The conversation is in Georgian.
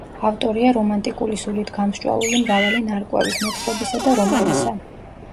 ავტორია რომანტიკული სულით გამსჭვალული მრავალი ნარკვევის, მოთხრობისა და რომანისა.